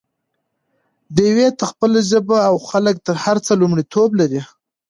ډيوې ته خپله ژبه او خلک تر هر څه لومړيتوب لري